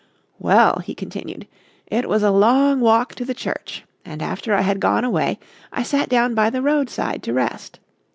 "Well," he continued, "it was a long walk to the church, and after I had gone a way I sat down by the roadside to rest.